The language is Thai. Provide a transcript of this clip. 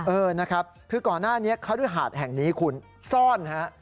เออนะครับคือก่อนหน้านี้คฤหาสแห่งนี้คุณซ่อนฮะ